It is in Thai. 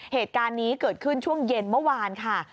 เหตุการณ์นี้เกิดขึ้นช่วงเย็นเมื่อวานค่ะ